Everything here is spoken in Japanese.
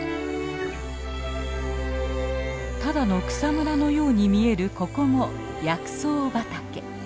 ただの草むらのように見えるここも薬草畑。